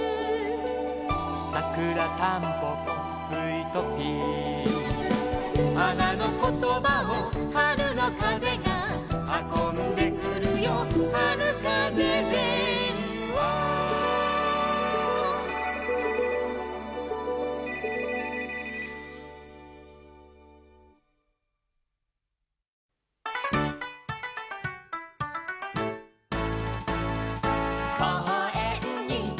「さくらたんぽぽスイートピー」「はなのことばをはるのかぜが」「はこんでくるよはるかぜでんわ」「こうえんに」